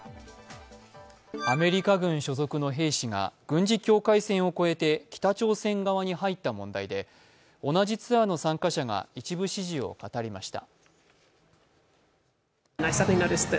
アメリカ軍所属の兵士が軍事境界線を越えて北朝鮮側に入った問題で、同じツアーの参加者が一部始終を語りました。